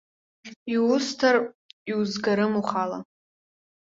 Иусҭар, иузгарым ухала.